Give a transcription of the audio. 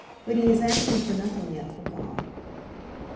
"But he has asked me for nothing yet, papa."